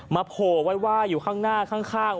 มาโผล่ไว้ว่ายอยู่ข้างหน้าข้างข้าง